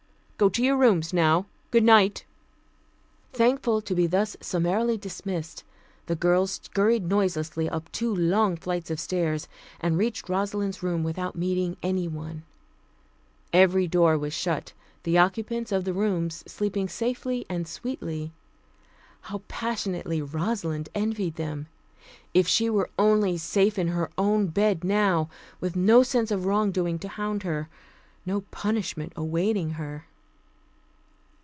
Go to your rooms now. Goodnight!" Thankful to be thus summarily dismissed, the girls scurried noiselessly up two long flights of stairs and reached Rosalind's room without meeting anyone. Every door was shut, the occupants of the rooms sleeping safely and sweetly. How passionately Rosalind envied them. If she were only safe in her own bed now, with no sense of wrongdoing to hound her, no punishment awaiting her.